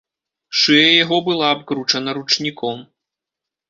Шыя яго была абкручана ручніком.